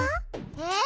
えっ？